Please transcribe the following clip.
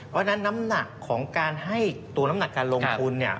เพราะฉะนั้นน้ำหนักของการให้ตัวน้ำหนักการลงทุนเนี่ย